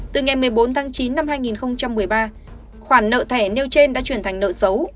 từ ngày một mươi bốn tháng chín năm hai nghìn một mươi ba khoản nợ thẻ nêu trên đã chuyển thành nợ xấu